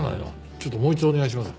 ちょっともう一度お願いします。